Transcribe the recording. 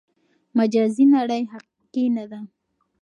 مجازي نړۍ حقیقي نه ده.